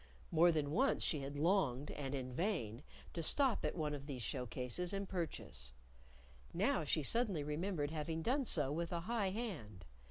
More than once she had longed, and in vain, to stop at one of these show cases and purchase. Now she suddenly remembered having done so with a high hand.